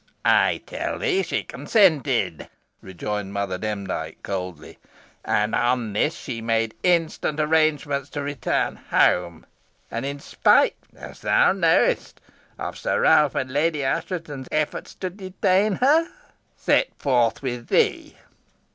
"I tell thee she consented," rejoined Mother Demdike, coldly; "and on this she made instant arrangements to return home, and in spite as thou know'st of Sir Ralph and Lady Assheton's efforts to detain her, set forth with thee."